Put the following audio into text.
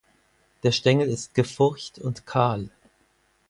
Der Stängel ist gefurcht und kahl.